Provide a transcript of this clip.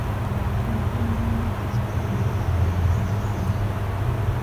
最近あの駅近くにできたお店に行ってみたい